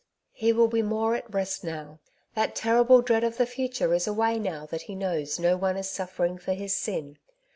" He will be more at rest now. That terrible dread of the future is away now that he knows no one is suffering for his sin.